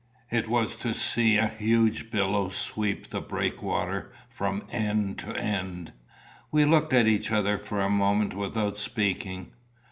It was to see a huge billow sweep the breakwater from end to end. We looked at each other for a moment without speaking.